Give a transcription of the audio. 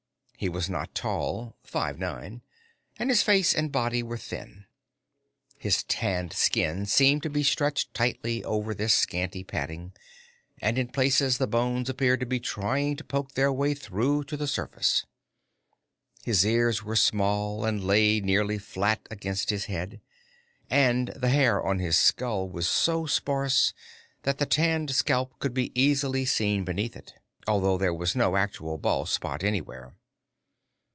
He was not tall five nine and his face and body were thin. His tanned skin seemed to be stretched tightly over this scanty padding, and in places the bones appeared to be trying to poke their way through to the surface. His ears were small and lay nearly flat against his head, and the hair on his skull was so sparse that the tanned scalp could be easily seen beneath it, although there was no actual bald spot anywhere.